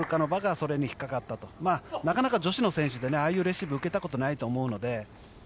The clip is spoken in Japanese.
それに引っかかったとなかなか女子の選手でああいうレシーブ受けたことないと思うので。